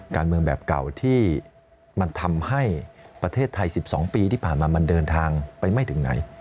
การเมืองแบบเก่าที่มันทำให้ประเทศไทย๑๒ปีที่ผ่านมามันเดินทางไปไม่ถึงไหน